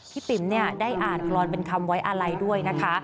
ปิ๋มเนี่ยได้อ่านกรอนเป็นคำไว้อะไรด้วยนะคะ